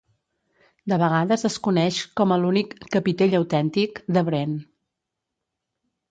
De vegades es coneix com a l'únic "capitell autèntic" de Wren.